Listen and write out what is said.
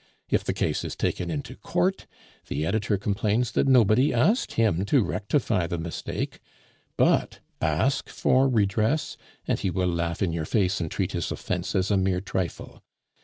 If the case is taken into court, the editor complains that nobody asked him to rectify the mistake; but ask for redress, and he will laugh in your face and treat his offence as a mere trifle.